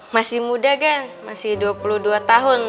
masih muda kan masih dua puluh dua tahun